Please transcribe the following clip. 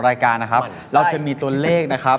รายการระบบอย่างอื่นหนึ่งนะคะ